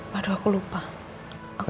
waduh aku lupa